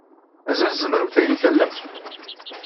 Mazal tzemremt ad iyi-tallemt?